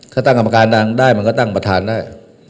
ถ้าตั้งกรรมการนางได้มันก็ตั้งประธานได้